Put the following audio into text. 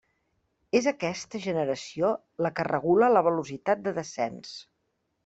És aquesta generació la que regula la velocitat de descens.